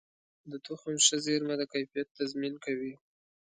د تخم ښه زېرمه د کیفیت تضمین کوي.